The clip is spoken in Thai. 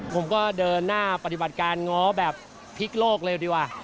ผมก็เดินหน้าปฏิบัติการง้อแบบพลิกโลกเลยดีกว่า